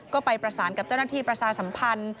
ก็ไปประสานกับเจ้าหน้าที่ประชาสัมพันธ์